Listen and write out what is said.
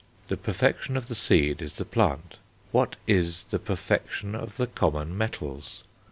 The perfection of the seed is the plant. What is the perfection of the common metals?